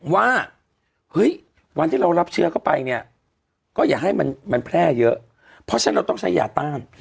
ว่าเฮ้ยวันที่เรารับเชื้อเข้าไปเนี่ยก็อย่าให้มันแพร่เยอะเพราะฉะนั้นเราต้องใช้ยาต้าน